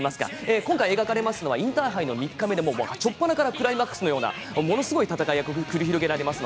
今回描かれますのはインターハイの３日目で初っぱなからクライマックスのようなものすごい戦いが繰り広げられます。